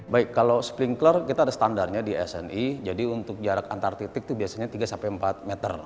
baik kalau splinkler kita ada standarnya di sni jadi untuk jarak antar titik itu biasanya tiga sampai empat meter